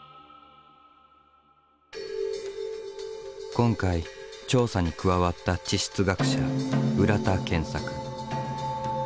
今回調査に加わった地質学者浦田健作。